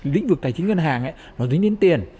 lĩnh vực tài chính ngân hàng nó dính đến tiền